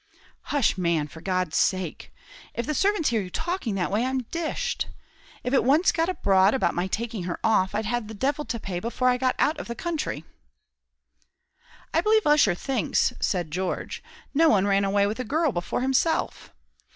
"Hush, man, for G d's sake! If the servants hear you talking that way, I'm dished. If it once got abroad about my taking her off, I'd have the devil to pay before I got out of the country." "I believe Ussher thinks," said George, "no one ran away with a girl before himself.